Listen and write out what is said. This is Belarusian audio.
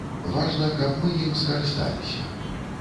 Важна, каб мы ім скарысталіся.